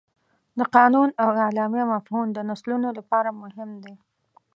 د قانون او اعلامیه مفهوم د نسلونو لپاره مهم دی.